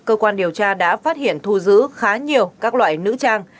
cơ quan điều tra đã phát hiện thu giữ khá nhiều các loại nữ trang